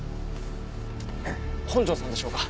本城さんでしょうか？